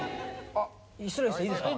あ失礼していいですか？